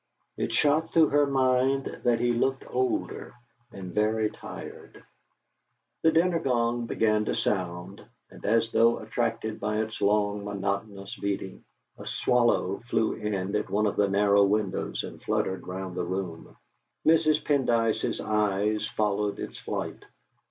It shot through her mind that he looked older, and very tired! The dinner gong began to sound, and as though attracted by its long monotonous beating, a swallow flew in at one of the narrow windows and fluttered round the room. Mrs. Pendyce's eyes followed its flight.